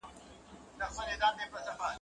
څه مو کول، چي پلار او نيکه مو کول.